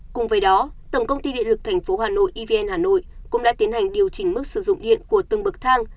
cùng với đó tổng công ty địa lực thành phố hà nội evn hà nội cũng đã tiến hành điều chỉnh mức sử dụng điện của từng bậc thang